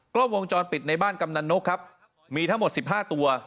กล้องวงจรปิดในบ้านกำนันนกครับมีทั้งหมด๑๕ตัว